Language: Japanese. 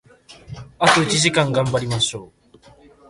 あと一時間、頑張りましょう！